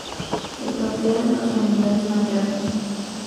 De propiedad de unos familiares maternos.